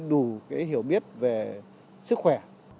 đủ hiểu biết về sức khỏe